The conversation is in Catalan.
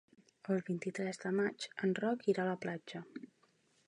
El vint-i-tres de maig en Roc irà a la platja.